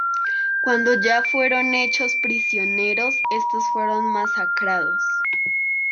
Cuando ya fueron hechos prisioneros estos fueron masacrados.